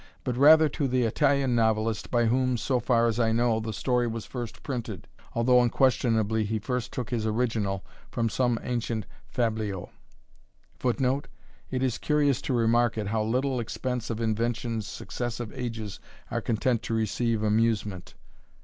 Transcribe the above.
but rather to the Italian novelist, by whom, so far as I know, the story was first printed, although unquestionably he first took his original from some ancient fabliau." [Footnote: It is curious to remark at how little expense of invention successive ages are content to receive amusement.